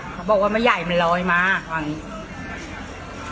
เขาบอกว่ามันใหญ่มันร้อยมากว่านี้